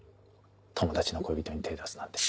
友達の恋人に手出すなんて。